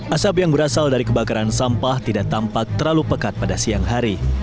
asap yang berasal dari kebakaran sampah tidak tampak terlalu pekat pada siang hari